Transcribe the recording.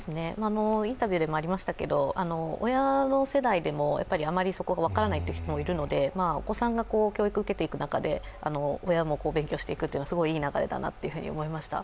インタビューでもありましたけど、親の世代でもあまりそこが分からないっていう人が多いのでお子さんが教育を受けていく中で、親も勉強していくというのはすごいいい流れだなと思いました。